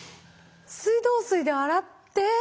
水道水で洗って？